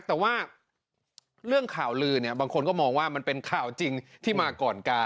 แต่ว่าเรื่องข่าวลือเนี่ยบางคนก็มองว่ามันเป็นข่าวจริงที่มาก่อนกา